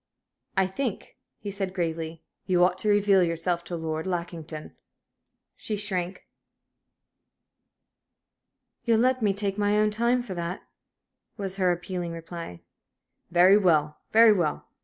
"I think," he said, gravely, "you ought to reveal yourself to Lord Lackington." She shrank. "You'll let me take my own time for that?" was her appealing reply. "Very well very well.